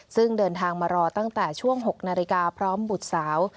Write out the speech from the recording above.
ซึ่งเดินทางมารอตั้งแต่ช่วง๖นาฬิกาพร้อมบุตรสาว